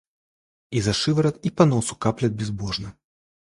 И за шиворот и по носу каплет безбожно.